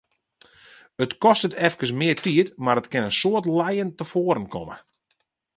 It kostet efkes mear tiid, mar it kin in soad lijen tefoaren komme.